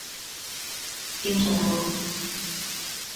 Imos ata Lugo.